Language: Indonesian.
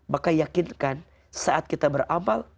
maka yakinkan saat kita beramal